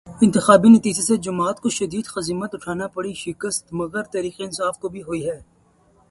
انتخابی نتیجے سے جماعت کو شدید ہزیمت اٹھانا پڑی، شکست مگر تحریک انصاف کو بھی ہوئی ہے۔